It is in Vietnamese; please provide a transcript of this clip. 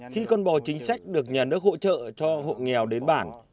khi con bò chính sách được nhà nước hỗ trợ cho hộ nghèo đến bản